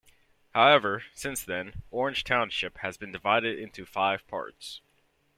However, since then, Orange Township has been divided into five parts.